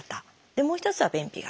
もう一つは「便秘型」。